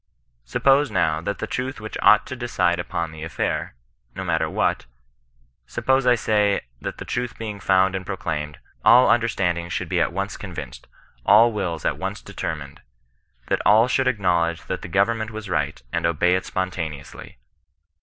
Suppose now that the truth which ought to decide upon the affair (no matter what) j sup pose, I say, that the truth being found and proclaimed, all understandings should be at once convinced ; all wills at once determined ; that all should acknowledge that the government was right, and obey it spontaneously.